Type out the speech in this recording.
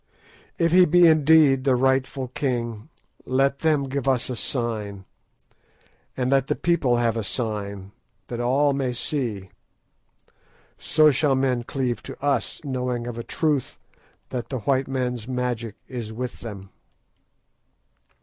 If he be indeed the rightful king, let them give us a sign, and let the people have a sign, that all may see. So shall men cleave to us, knowing of a truth that the white man's magic is with them."